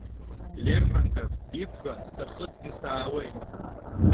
Лермонтов иқәра сахысны саауеит.